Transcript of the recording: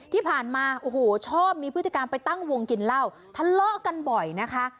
ที่ผ่านมาโอ้โหชอบมีพฤติกรรมไปตั้งวงกินเหล้าทะเลาะกันบ่อยนะคะ